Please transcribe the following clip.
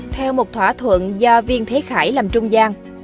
theo một thỏa thuận do viên thế khải làm trung gian